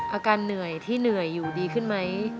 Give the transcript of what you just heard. อาการเหนื่อยที่เหนื่อยอยู่ดีขึ้นไหม